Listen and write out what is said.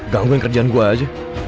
gangguin kerjaan gue aja